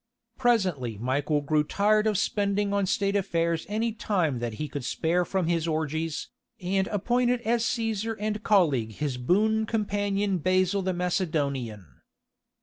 Presently Michael grew tired of spending on state affairs any time that he could spare from his orgies, and appointed as Caesar and colleague his boon companion Basil the Macedonian.